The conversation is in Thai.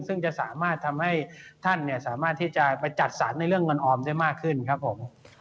ซึ่งจะสามารถทำให้ท่านสามารถที่จะไปจัดสรรในเรื่องเงินออมได้มากขึ้นครับผม